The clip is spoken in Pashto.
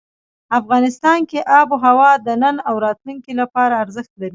افغانستان کې آب وهوا د نن او راتلونکي لپاره ارزښت لري.